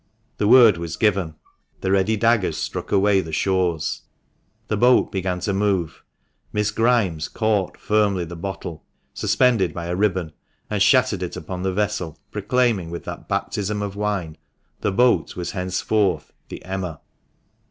The word was given ; the ready daggers struck away the shores ; the boat began to move ; Miss Grimes caught firmly the bottle (suspended by a ribbon), and shattered it upon the vessel, proclaiming, with that baptism of wine, the boat was henceforth the Emma.